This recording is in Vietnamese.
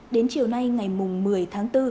đến chiều nay ngày một mươi tháng bốn